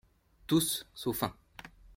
Tous, sauf un